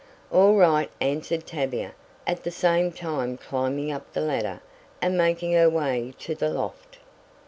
"All right," answered Tavia, at the same time climbing up the ladder, and making her way to the loft.